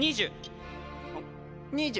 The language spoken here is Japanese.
２０。